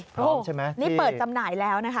ใช่ไหมนี่เปิดจำหน่ายแล้วนะคะ